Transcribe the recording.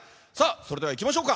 それではいきましょうか。